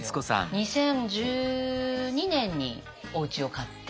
２０１２年におうちを買って。